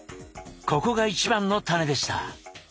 ここが一番のタネでした！